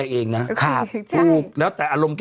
เบลล่าเบลล่าเบลล่า